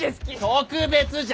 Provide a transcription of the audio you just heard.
特別じゃ！